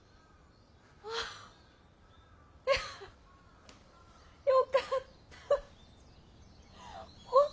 あっやよかった。